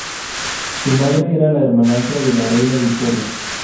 Su madre era la hermanastra de la reina Victoria.